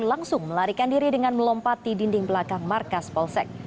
langsung melarikan diri dengan melompati dinding belakang markas polsek